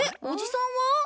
おじさんは？